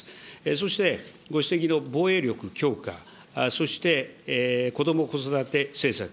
そして、ご指摘の防衛力強化、そして、こども・子育て政策。